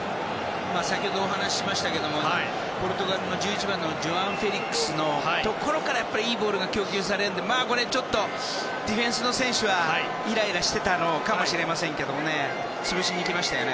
先ほどお話ししましたけどポルトガルの１１番のジョアン・フェリックスからいいボールが供給されるのでちょっとディフェンスの選手はイライラしてたのかもしれませんけど潰しに行きましたよね。